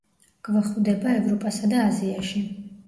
გვხვდება ევროპასა და აზიაში.